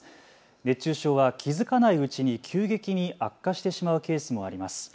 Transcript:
熱中症は気付かないうちに急激に悪化してしまうケースもあります。